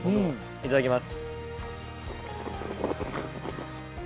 いただきます。